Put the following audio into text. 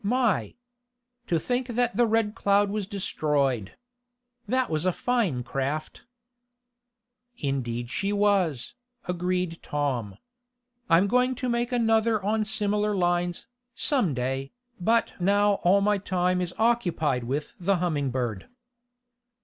My! To think that the Red Cloud was destroyed! That was a fine craft." "Indeed she was," agreed Tom. "I'm going to make another on similar lines, some day, but now all my time is occupied with the Humming Bird."